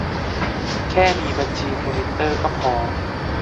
แค่มีบัญชีทวิตเตอร์ก็พอ